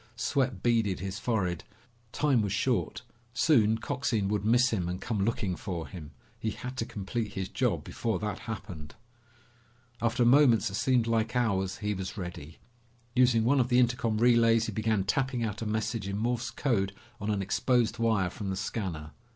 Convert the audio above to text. Sweat beaded his forehead. Time was short. Soon Coxine would miss him and come looking for him. He had to complete his job before that happened. After moments that seemed like hours he was ready. Using one of the intercom relays he began tapping out a message in Morse code on an exposed wire from the scanner.